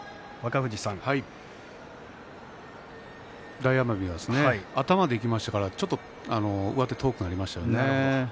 大奄美は頭でいきましたから、ちょっと上手が遠くなりましたね。